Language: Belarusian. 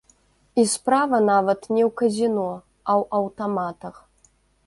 І справа нават не ў казіно, а ў аўтаматах.